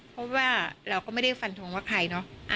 เพราะว่าเราก็ไม่ได้ฟันทงว่าใครเนอะ